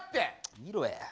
見ろや。